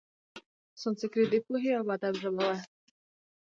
سانسکریت د پوهې او ادب ژبه وه.